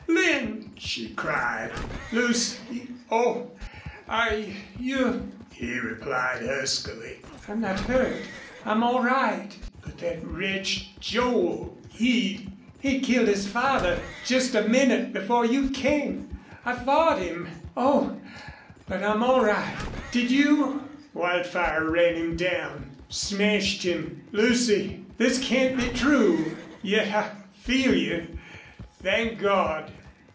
Lin!" she cried. "Lucy Oh! are y you " he replied, huskily. "I'm not hurt. I'm all right." "But that wretch, Joel. He " "He'd killed his father just a minute before you came. I fought him! Oh! ... But I'm all right.... Did you " "Wildfire ran him down smashed him.... Lucy! this can't be true.... Yet I feel you! Thank God!"